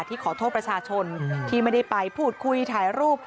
ขอโทษประชาชนที่ไม่ได้ไปพูดคุยถ่ายรูป